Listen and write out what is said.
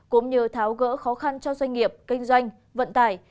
cũng như tháo gỡ khó khăn cho doanh nghiệp kinh doanh vận tải